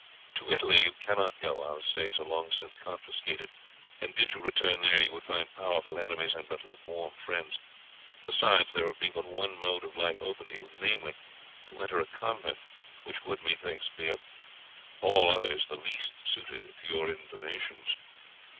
To Italy you cannot go, our estates are long since confiscated; and did you return there you would find powerful enemies and but lukewarm friends. Besides, there would be but one mode of life open to you, namely, to enter a convent, which would, methinks, be of all others the least suited to your inclinations."